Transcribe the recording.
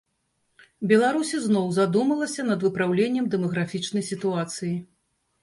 Беларусь ізноў задумалася над выпраўленнем дэмаграфічнай сітуацыі.